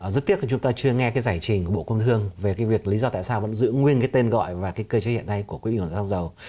rất tiếc là chúng ta chưa nghe cái giải trình của bộ công thương về cái việc lý do tại sao vẫn giữ nguyên cái tên gọi và cái cơ chế hiện nay của quỹ bình ổn giá xăng dầu